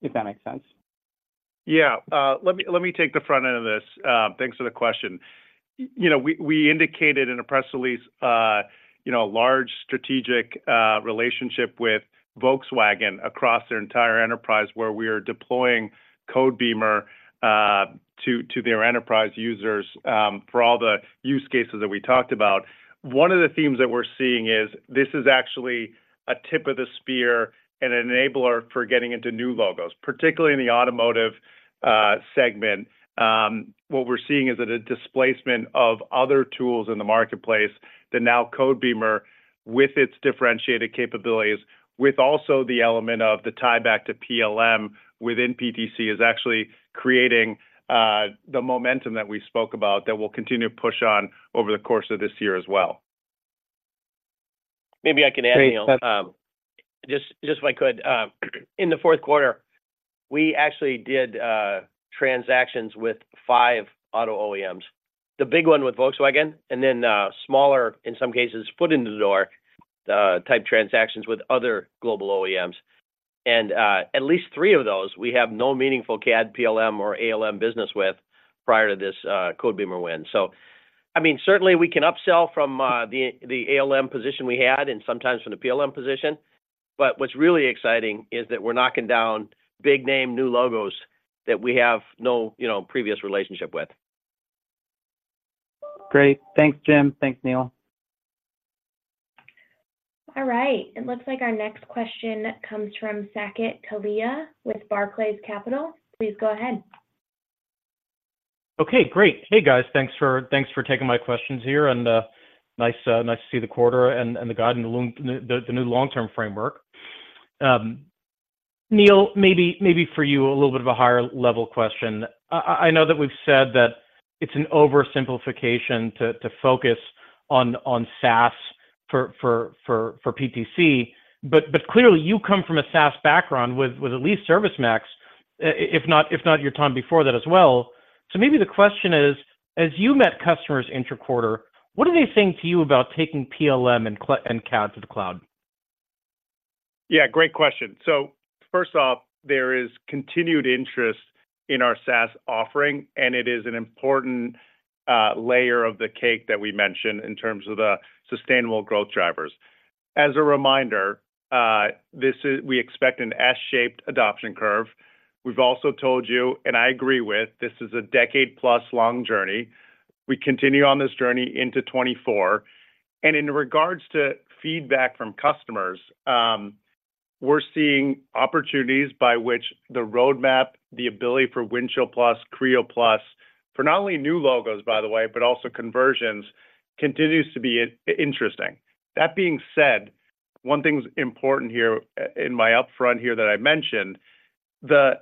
If that makes sense. Yeah. Let me take the front end of this. Thanks for the question. You know, we indicated in a press release, you know, a large strategic relationship with Volkswagen across their entire enterprise, where we are deploying Codebeamer to their enterprise users for all the use cases that we talked about. One of the themes that we're seeing is this is actually a tip of the spear and an enabler for getting into new logos, particularly in the automotive segment. What we're seeing is that a displacement of other tools in the marketplace, that now Codebeamer, with its differentiated capabilities, with also the element of the tieback to PLM within PTC, is actually creating the momentum that we spoke about that will continue to push on over the course of this year as well. Maybe I can add, Neil. Great, that- Just if I could, in the fourth quarter, we actually did transactions with five auto OEMs. The big one with Volkswagen, and then smaller, in some cases, foot in the door type transactions with other global OEMs. At least three of those, we have no meaningful CAD, PLM, or ALM business with prior to this Codebeamer win. So, I mean, certainly we can upsell from the ALM position we had and sometimes from the PLM position, but what's really exciting is that we're knocking down big name, new logos that we have no, you know, previous relationship with. Great. Thanks, Jim. Thanks, Neil. All right. It looks like our next question comes from Saket Kalia with Barclays Capital. Please go ahead. Okay, great. Hey, guys. Thanks for taking my questions here, and nice to see the quarter and the guide and the new long-term framework. Neil, maybe for you, a little bit of a higher-level question. I know that we've said that it's an oversimplification to focus on SaaS for PTC, but clearly, you come from a SaaS background with at least ServiceMax, if not your time before that as well. So maybe the question is: as you met customers interquarter, what are they saying to you about taking PLM and CAD to the cloud? Yeah, great question. So first off, there is continued interest in our SaaS offering, and it is an important layer of the cake that we mentioned in terms of the sustainable growth drivers. As a reminder, we expect an S-shaped adoption curve. We've also told you, and I agree with, this is a decade-plus long journey. We continue on this journey into 2024. And in regards to feedback from customers, we're seeing opportunities by which the roadmap, the ability for Windchill+, Creo+, for not only new logos, by the way, but also conversions, continues to be interesting. That being said, one thing's important here in my upfront here that I mentioned, the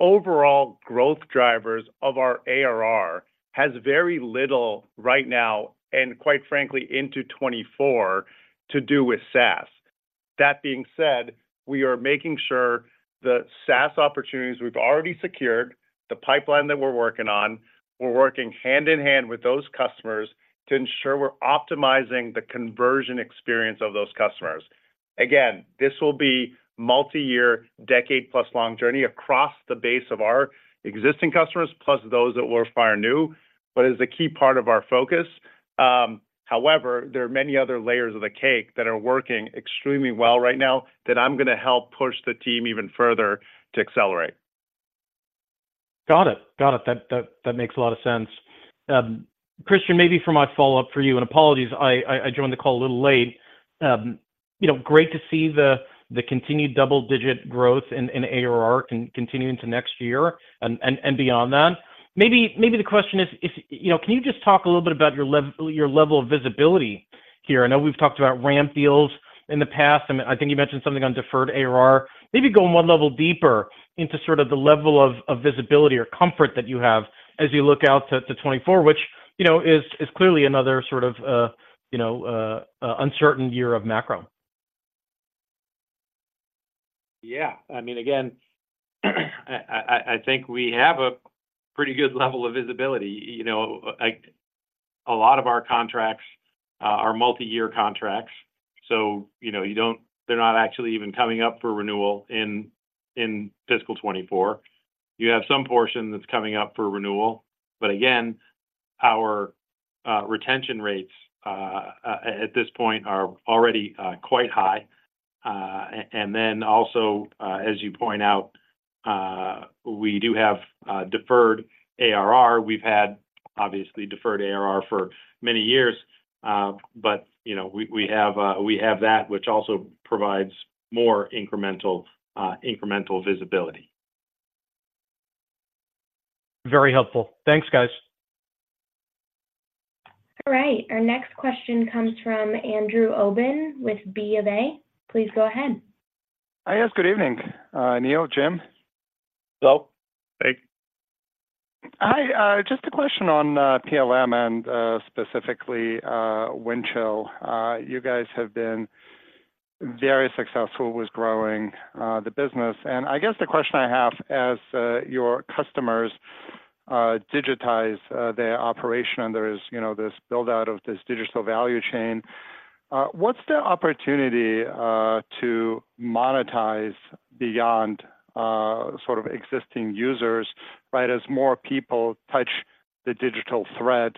overall growth drivers of our ARR has very little right now, and quite frankly, into 2024, to do with SaaS. That being said, we are making sure the SaaS opportunities we've already secured, the pipeline that we're working on, we're working hand in hand with those customers to ensure we're optimizing the conversion experience of those customers. Again, this will be multi-year, decade-plus long journey across the base of our existing customers, plus those that were far new, but is a key part of our focus. However, there are many other layers of the cake that are working extremely well right now that I'm going to help push the team even further to accelerate. Got it. That, that, that makes a lot of sense. Kristian, maybe for my follow-up for you, and apologies I, I joined the call a little late. You know, great to see the, the continued double-digit growth in, in ARR continue into next year and, and, and beyond that. Maybe, maybe the question is, is, you know, can you just talk a little bit about your level of visibility here? I know we've talked about ramp deals in the past, and I think you mentioned something on deferred ARR. Maybe going one level deeper into sort of the level of, of visibility or comfort that you have as you look out to, 2024, which, you know, is clearly another sort of, you know, uncertain year of macro. Yeah. I mean, again, I think we have a pretty good level of visibility. You know, like, a lot of our contracts are multi-year contracts, so, you know, they're not actually even coming up for renewal in fiscal 2024. You have some portion that's coming up for renewal, but again, our retention rates at this point are already quite high. And then also, as you point out, we do have deferred ARR. We've had, obviously, deferred ARR for many years, but, you know, we have that, which also provides more incremental visibility. Very helpful. Thanks, guys. All right. Our next question comes from Andrew Obin with BofA. Please go ahead. Hi, yes, good evening, Neil, Jim. Hello. Hey. Hi, just a question on PLM and specifically Windchill. You guys have been very successful with growing the business. And I guess the question I have as your customers digitize their operation, and there is, you know, this build-out of this digital value chain, what's the opportunity to monetize beyond sort of existing users, right? As more people touch the digital thread,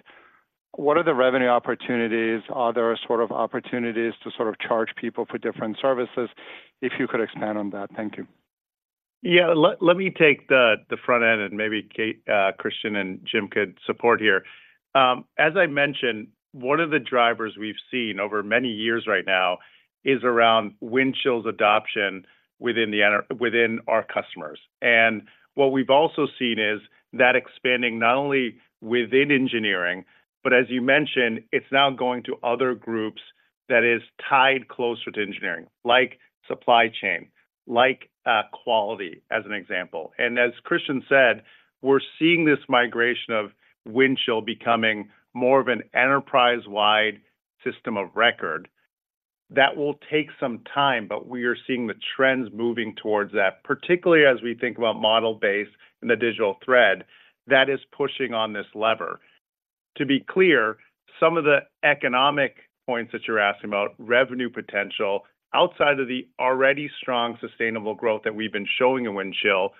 what are the revenue opportunities? Are there sort of opportunities to sort of charge people for different services? If you could expand on that. Thank you. Yeah. Let me take the front end, and maybe Kate, Kristian, and Jim could support here. As I mentioned, one of the drivers we've seen over many years right now is around Windchill's adoption within our customers. And what we've also seen is that expanding not only within engineering, but as you mentioned, it's now going to other groups that is tied closer to engineering, like supply chain, like quality, as an example. And as Kristian said, we're seeing this migration of Windchill becoming more of an enterprise-wide system of record. That will take some time, but we are seeing the trends moving towards that, particularly as we think about model-based and the digital thread that is pushing on this lever. To be clear, some of the economic points that you're asking about, revenue potential, outside of the already strong sustainable growth that we've been showing in Windchill,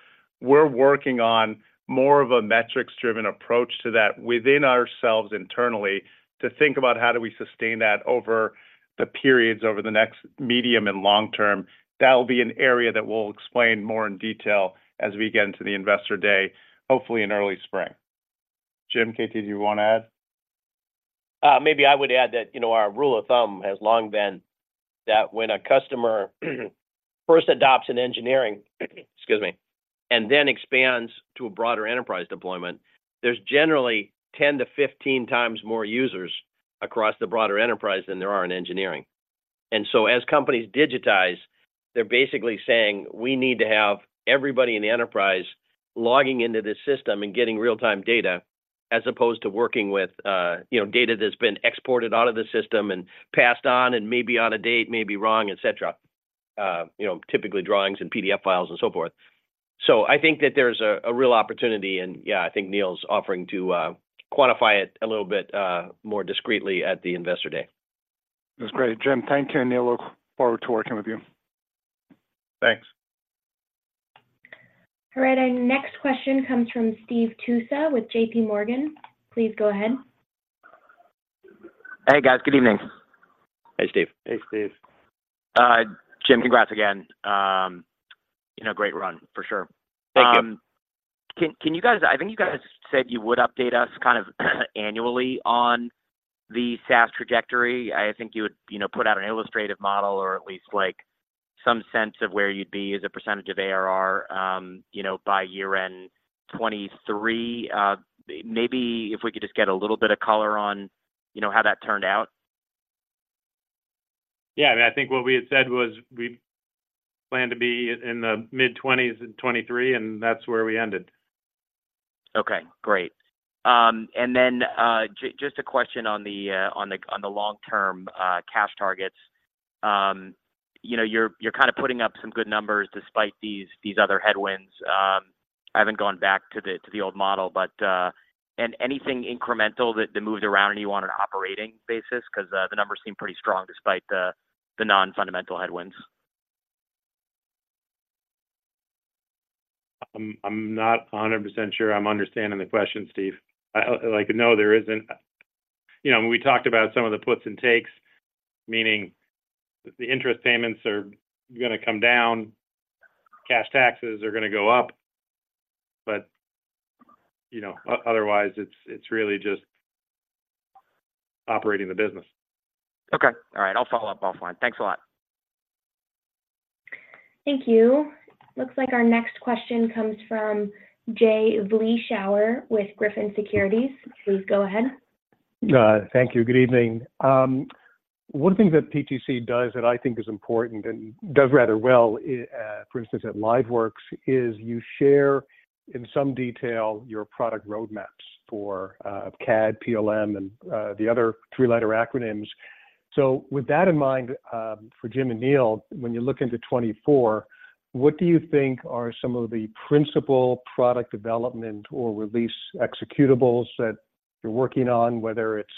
we're working on more of a metrics-driven approach to that within ourselves internally, to think about how do we sustain that over the periods, over the next medium and long term. That will be an area that we'll explain more in detail as we get into the Investor Day, hopefully in early spring. Jim, KT, do you want to add? Maybe I would add that, you know, our rule of thumb has long been that when a customer first adopts in engineering, excuse me, and then expands to a broader enterprise deployment, there's generally 10-15 times more users across the broader enterprise than there are in engineering. And so as companies digitize, they're basically saying, "We need to have everybody in the enterprise logging into the system and getting real-time data," as opposed to working with, you know, data that's been exported out of the system and passed on, and may be out of date, may be wrong, et cetera. You know, typically, drawings and PDF files and so forth. So I think that there's a real opportunity, and, yeah, I think Neil's offering to quantify it a little bit more discreetly at the Investor Day. That's great, Jim. Thank you, and Neil, look forward to working with you. Thanks. All right. Our next question comes from Steve Tusa with J.P. Morgan. Please go ahead. Hey, guys. Good evening. Hey, Steve. Hey, Steve. Jim, congrats again. You know, great run, for sure. Thank you. Can you guys? I think you guys said you would update us kind of annually on the SaaS trajectory. I think you would, you know, put out an illustrative model or at least, like, some sense of where you'd be as a percentage of ARR, you know, by year-end 2023. Maybe if we could just get a little bit of color on, you know, how that turned out. Yeah, I think what we had said was, we plan to be in the mid-20s in 2023, and that's where we ended. Okay, great. And then just a question on the long-term cash targets. You know, you're kind of putting up some good numbers despite these other headwinds. I haven't gone back to the old model, but... And anything incremental that moved around you on an operating basis? Because the numbers seem pretty strong despite the non-fundamental headwinds. I'm not 100% sure I'm understanding the question, Steve. Like, no, there isn't... You know, we talked about some of the puts and takes, meaning the interest payments are gonna come down, cash taxes are gonna go up. But, you know, otherwise, it's, it's really just operating the business. Okay. All right. I'll follow up offline. Thanks a lot. Thank you. Looks like our next question comes from Jay Vleeschhouwer with Griffin Securities. Please go ahead. Thank you. Good evening. One thing that PTC does that I think is important and does rather well, for instance, at LiveWorx, is you share, in some detail, your product roadmaps for CAD, PLM, and the other three-letter acronyms. So with that in mind, for Jim and Neil, when you look into 2024, what do you think are some of the principal product development or release executables that you're working on, whether it's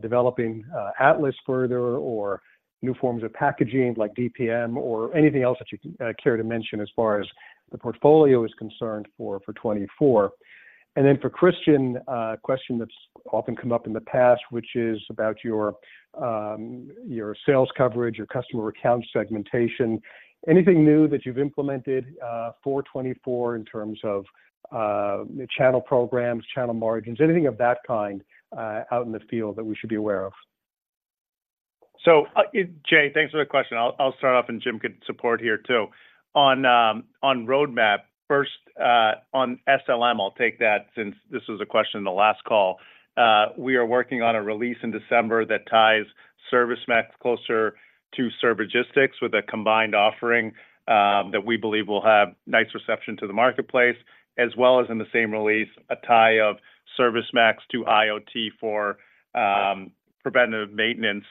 developing Atlas further or new forms of packaging like DPM or anything else that you care to mention as far as the portfolio is concerned for 2024? And then for Kristian, a question that's often come up in the past, which is about your your sales coverage, your customer account segmentation. Anything new that you've implemented for 2024 in terms of channel programs, channel margins, anything of that kind out in the field that we should be aware of? So, Jay, thanks for the question. I'll start, and Jim can support here, too. On the roadmap, first, on SLM, I'll take that since this was a question in the last call. We are working on a release in December that ties ServiceMax closer to Servigistics with a combined offering, that we believe will have nice reception to the marketplace, as well as in the same release, a tie of ServiceMax to IoT for preventative maintenance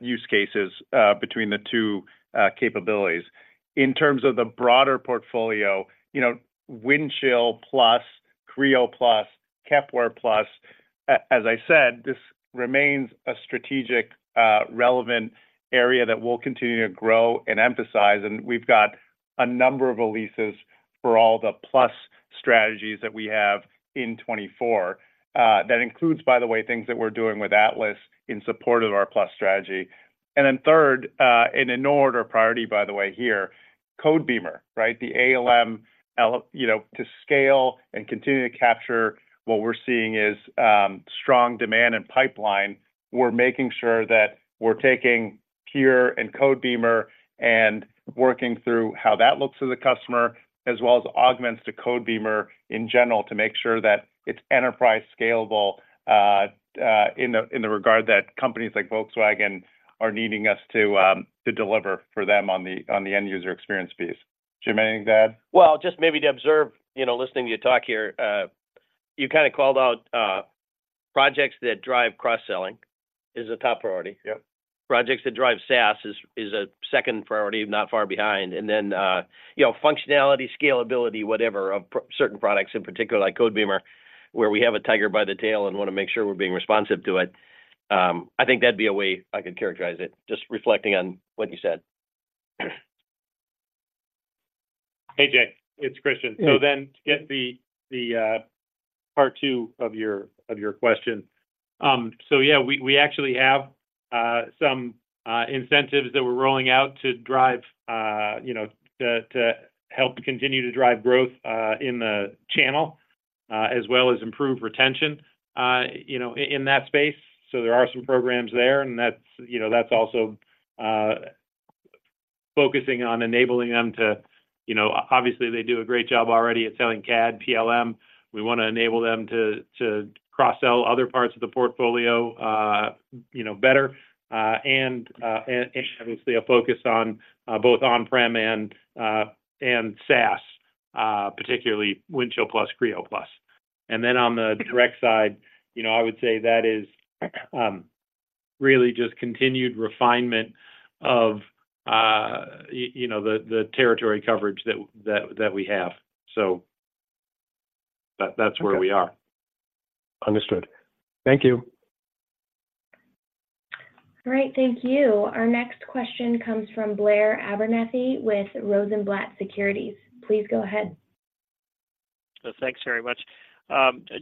use cases between the two capabilities. In terms of the broader portfolio, you know, Windchill+, Creo+, Kepware+, as I said, this remains a strategic relevant area that we'll continue to grow and emphasize, and we've got a number of releases for all the plus strategies that we have in 2024. That includes, by the way, things that we're doing with Atlas in support of our plus strategy. And then third, and in no order of priority, by the way, here, Codebeamer, right? The ALM, you know, to scale and continue to capture what we're seeing is strong demand and pipeline. We're making sure that we're taking Creo and Codebeamer and working through how that looks to the customer, as well as augments to Codebeamer in general, to make sure that it's enterprise scalable, in the regard that companies like Volkswagen are needing us to to deliver for them on the end-user experience piece. Jim, anything to add? Well, just maybe to observe, you know, listening to you talk here, you kinda called out, projects that drive cross-selling is a top priority. Yep. Projects that drive SaaS is, is a second priority, not far behind. And then, you know, functionality, scalability, whatever, of certain products in particular, like Codebeamer, where we have a tiger by the tail and wanna make sure we're being responsive to it. I think that'd be a way I could characterize it, just reflecting on what you said. Hey, Jay, it's Kristian. Yeah. So then to get the part two of your question. So yeah, we actually have some incentives that we're rolling out to drive, you know, to help continue to drive growth in the channel as well as improve retention, you know, in that space. So there are some programs there, and that's, you know, that's also focusing on enabling them to... You know, obviously, they do a great job already at selling CAD, PLM. We want to enable them to cross-sell other parts of the portfolio, you know, better, and obviously a focus on both on-prem and SaaS, particularly Windchill+, Creo+. And then on the direct side, you know, I would say that is really just continued refinement of, you know, the territory coverage that we have. So that's where we are. Understood. Thank you. All right, thank you. Our next question comes from Blair Abernethy with Rosenblatt Securities. Please go ahead. Thanks very much.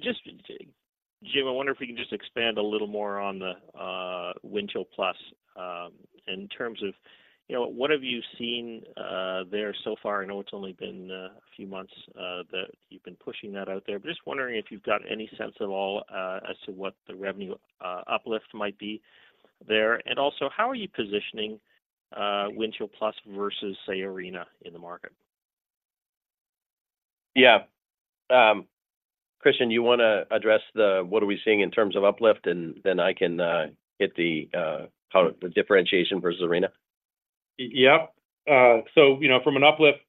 Just, Jim, I wonder if you can just expand a little more on the, Windchill+, in terms of, you know, what have you seen, there so far? I know it's only been a few months, that you've been pushing that out there, but just wondering if you've got any sense at all, as to what the revenue, uplift might be there. And also, how are you positioning, Windchill+ versus, say, Arena in the market? Yeah. Kristian, you wanna address what are we seeing in terms of uplift, and then I can hit how the differentiation versus Arena? Yep. So, you know, from an uplift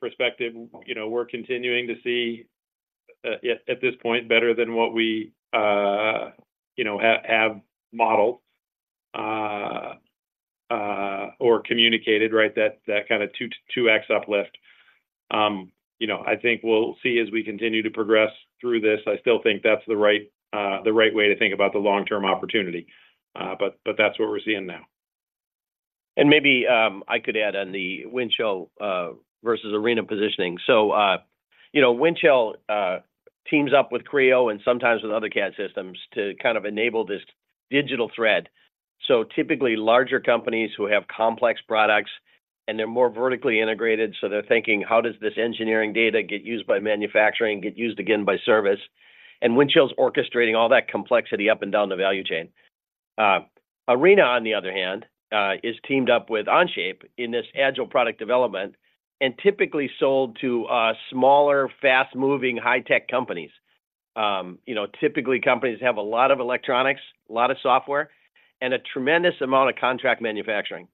perspective, you know, we're continuing to see, at this point, better than what we, you know, have modeled or communicated, right? That kind of 2 to 2x uplift. You know, I think we'll see as we continue to progress through this. I still think that's the right way to think about the long-term opportunity. But that's what we're seeing now. And maybe, I could add on the Windchill versus Arena positioning. So, you know, Windchill teams up with Creo and sometimes with other CAD systems to kind of enable this digital thread. So typically larger companies who have complex products, and they're more vertically integrated, so they're thinking, "How does this engineering data get used by manufacturing, get used again by service?" And Windchill's orchestrating all that complexity up and down the value chain. Arena, on the other hand, is teamed up with Onshape in this agile product development and typically sold to, smaller, fast-moving, high-tech companies. You know, typically, companies have a lot of electronics, a lot of software, and a tremendous amount of contract manufacturing.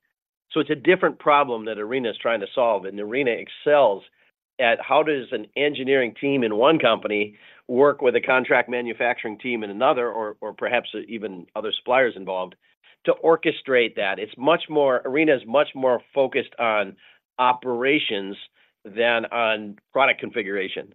So it's a different problem that Arena is trying to solve, and Arena excels at how does an engineering team in one company work with a contract manufacturing team in another, or perhaps even other suppliers involved, to orchestrate that? It's much more, Arena is much more focused on operations than on product configuration.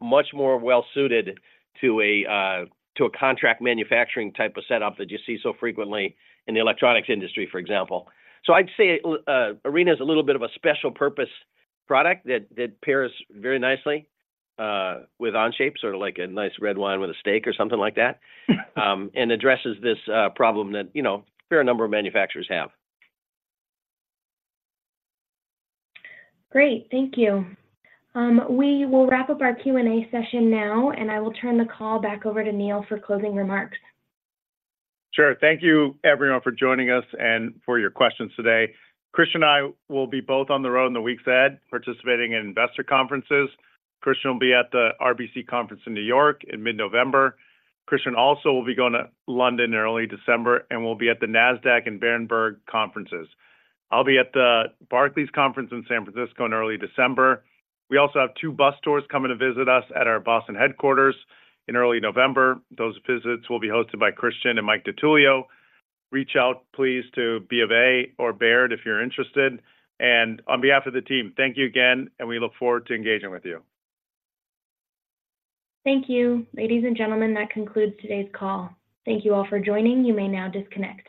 Much more well suited to a, to a contract manufacturing type of setup that you see so frequently in the electronics industry, for example. So I'd say, Arena is a little bit of a special-purpose product that pairs very nicely, with Onshape, sort of like a nice red wine with a steak or something like that, and addresses this, problem that, you know, a fair number of manufacturers have. Great, thank you. We will wrap up our Q&A session now, and I will turn the call back over to Neil for closing remarks. Sure. Thank you, everyone, for joining us and for your questions today. Kristian and I will be both on the road in the weeks ahead, participating in investor conferences. Kristian will be at the RBC conference in New York in mid-November. Kristian also will be going to London in early December, and we'll be at the Nasdaq and Berenberg conferences. I'll be at the Barclays conference in San Francisco in early December. We also have two bus tours coming to visit us at our Boston headquarters in early November. Those visits will be hosted by Kristian and Mike DiTullio. Reach out, please, to BofA or Baird if you're interested. On behalf of the team, thank you again, and we look forward to engaging with you. Thank you. Ladies and gentlemen, that concludes today's call. Thank you all for joining. You may now disconnect.